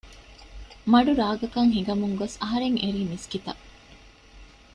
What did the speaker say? މަޑު ރާގަކަށް ހިނގަމުން ގޮސް އަހަރެން އެރީ މިސްކިތަށް